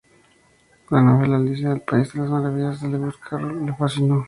La novela "Alicia en el país de las maravillas", de Lewis Carroll, le fascinó.